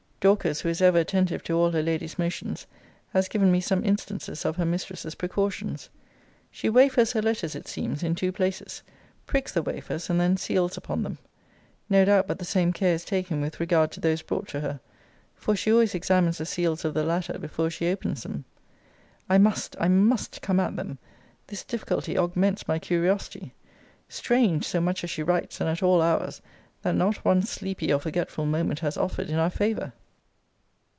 Dorcas, who is ever attentive to all her lady's motions, has given me some instances of her mistress's precautions. She wafers her letters, it seems, in two places; pricks the wafers; and then seals upon them. No doubt but the same care is taken with regard to those brought to her, for she always examines the seals of the latter before she opens them. I must, I must come at them. This difficulty augments my curiosity. Strange, so much as she writes, and at all hours, that not one sleepy or forgetful moment has offered in our favour!